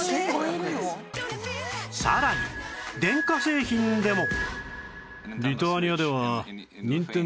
さらに電化製品でも